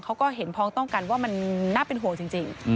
เขาก็เห็นพ้องต้องกันว่ามันน่าเป็นห่วงจริง